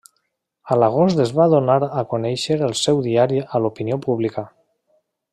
A l'agost es va donar a conèixer el seu diari a l'opinió pública.